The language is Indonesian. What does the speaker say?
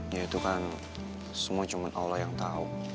ya itu kan semua cuma allah yang tahu